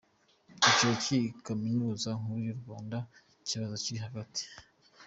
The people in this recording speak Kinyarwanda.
Icyicaro cy’iyi Kaminuza Nkuru y’u Rwanda kizaba kiri i Kigali.